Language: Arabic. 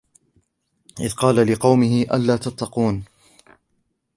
إذ قال لقومه ألا تتقون